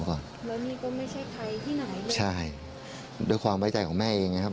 แล้วนี่ก็ไม่ใช่ใครที่ไหนใช่ด้วยความไว้ใจของแม่เองนะครับ